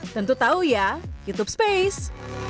tentu tahu ya youtube space